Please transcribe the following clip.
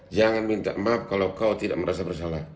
jangan minta maaf kalau kau tidak merasa bersalah